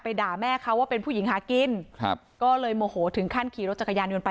ด่าแม่เขาว่าเป็นผู้หญิงหากินครับก็เลยโมโหถึงขั้นขี่รถจักรยานยนต์ไป